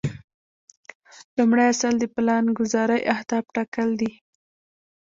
لومړی اصل د پلانګذارۍ اهداف ټاکل دي.